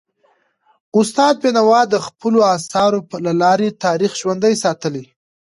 استاد بینوا د خپلو اثارو له لارې تاریخ ژوندی ساتلی.